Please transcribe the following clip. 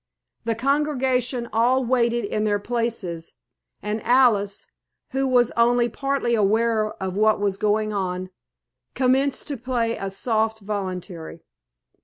The congregation all waited in their places, and Alice, who was only partly aware of what was going on, commenced to play a soft voluntary.